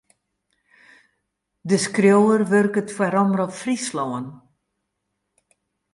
De skriuwer wurket foar Omrop Fryslân.